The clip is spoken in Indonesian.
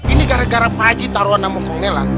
ini gara gara bu aji taruhan sama sinelan